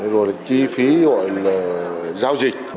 rồi là chi phí gọi là giao dịch